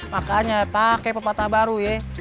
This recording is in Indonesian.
makanya pake pepatah baru ye